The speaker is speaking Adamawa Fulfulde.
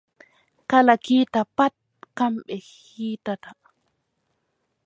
Kala kiita pat kamɓe kiitata.